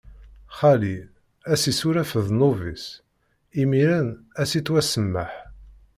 Xali ad s-issuref ddnub-is, imiren ad s-ittwasemmeḥ.